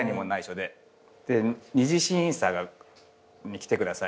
で２次審査に来てください。